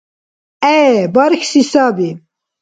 ГӀе, бархьси саби.